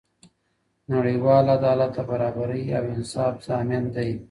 نړیوال عدالت د برابرۍ او انصاف ضامن دی.